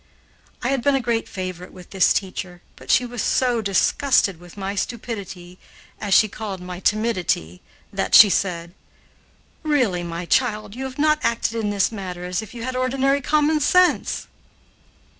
I had been a great favorite with this teacher, but she was so disgusted with my stupidity, as she called my timidity, that she said: "Really, my child, you have not acted in this matter as if you had ordinary common sense."